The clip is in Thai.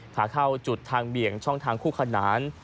ขาเข้าจุดทางเบี่ยงช่องทางคู่ขนาน